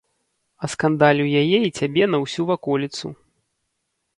Аскандалю яе і цябе на ўсю ваколіцу.